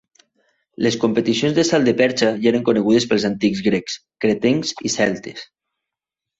Les competicions de salt de perxa ja eren conegudes pels antics grecs, cretencs i celtes.